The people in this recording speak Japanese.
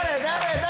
誰？